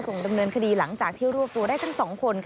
ดำเนินคดีหลังจากที่รวบตัวได้ทั้ง๒คน